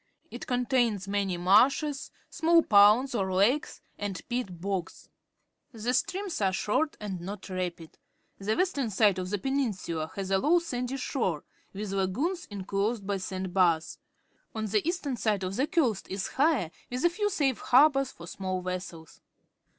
It contains many marshes, small ponds or lakes, and peat bogs. The streams are short and not rapid. The western side of the peninsula has a low sandy shore, with lagoons inclosed by sand bars. On the east ern side the coast is higher, with a few safe harbours for small vessels.